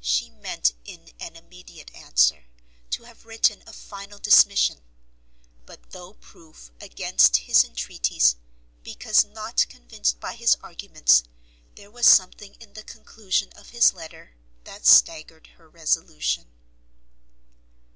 She meant in an immediate answer, to have written a final dismission; but though proof against his entreaties, because not convinced by his arguments, there was something in the conclusion of his letter that staggered her resolution.